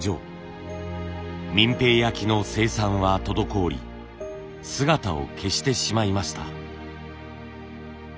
平焼の生産は滞り姿を消してしまいました。